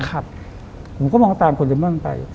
ผมก็มองตามคุณเดมอนไป